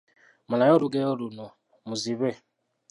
Malayo olugero luno: Muzibe …